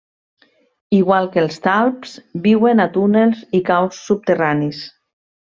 Igual que els talps viuen a túnels i caus subterranis.